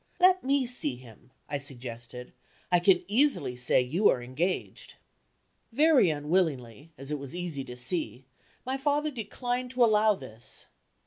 "Let me see him," I suggested; "I can easily say you are engaged." Very unwillingly, as it was easy to see, my father declined to allow this.